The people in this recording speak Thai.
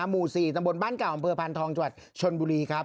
หมู่๔ตำบลบ้านเก่าอำเภอพานทองจังหวัดชนบุรีครับ